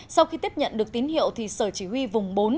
sau khi tiếp nhận được tín hiệu sở chỉ huy vùng bốn